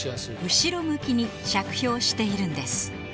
後ろ向きに着氷しているんです